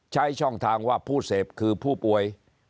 ใช้ช่องทางว่าผู้เสพคือผู้ป่วย